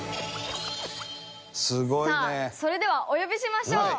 芦田：さあ、それではお呼びしましょう。